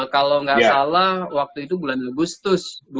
kalau nggak salah waktu itu bulan agustus